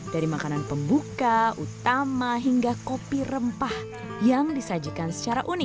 dari makanan pembuka utama hingga kopi rempah yang disajikan secara unik